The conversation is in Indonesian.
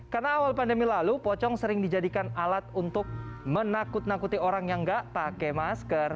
karena awal pandemi lalu pocong sering dijadikan alat untuk menakut nakuti orang yang nggak pakai masker